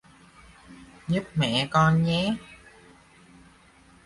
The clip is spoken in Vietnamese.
giúp mẹ con nhé